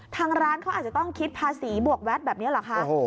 ทางร้านเขาอาจจะต้องคิดภาษีบวกแวดแบบนี้เหรอคะ